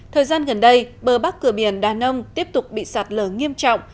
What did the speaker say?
thời gian gần đây bờ bắc cửa biển đà nông tiếp tục bị sạt lở nghiêm trọng